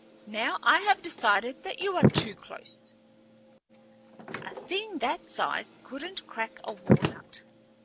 Now I have decided that you are too close." "A thing that size couldn't crack a walnut."